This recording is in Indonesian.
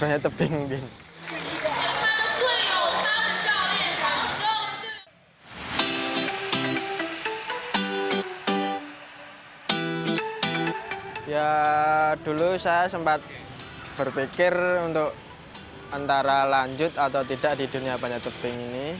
ya dulu saya sempat berpikir untuk antara lanjut atau tidak di dunia panjat tebing ini